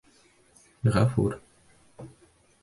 Ғәфүр